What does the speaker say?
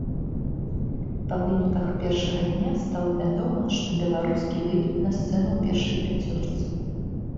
Па выніках першага дня стала вядома, што беларускі выйдуць на сцэну ў першай пяцёрцы.